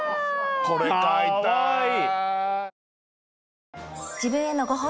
これ飼いたい。